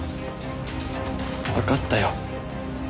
わかったよ。